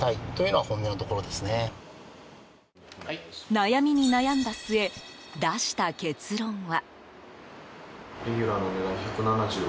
悩みに悩んだ末出した結論は。